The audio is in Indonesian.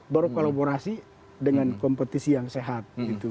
baru kolaborasi dengan kompetisi yang sehat